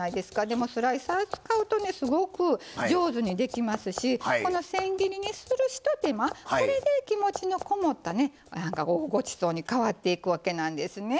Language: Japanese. でもスライサー使うとねすごく上手にできますしこのせん切りにするひと手間これで気持ちのこもったね「ごちそう」に変わっていくわけなんですね。